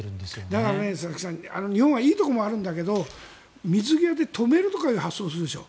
だから、日本はいいところもあるんだけど水際で止めるとかという発想をするでしょ。